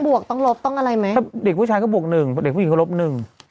วกต้องลบต้องอะไรไหมถ้าเด็กผู้ชายก็บวกหนึ่งเด็กผู้หญิงก็ลบหนึ่ง